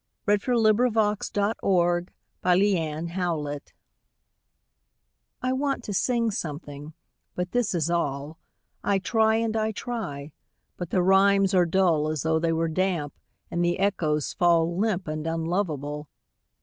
A SCRAWL I want to sing something but this is all I try and I try, but the rhymes are dull As though they were damp, and the echoes fall Limp and unlovable.